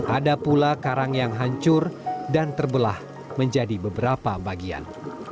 ada pula karang yang hancur dan terbelah menjadi beberapa bagian